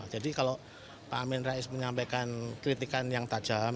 jadi kalau pak amin rais menyampaikan kritikan yang tajam